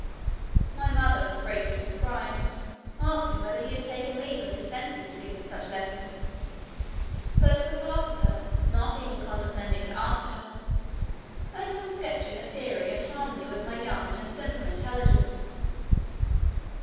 My mother, greatly surprised, asked him whether he had taken leave of his senses to give me such lessons; but the philosopher, not even condescending to answer her, went on sketching a theory in harmony with my young and simple intelligence.